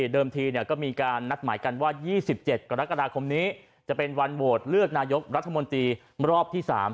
ทีก็มีการนัดหมายกันว่า๒๗กรกฎาคมนี้จะเป็นวันโหวตเลือกนายกรัฐมนตรีรอบที่๓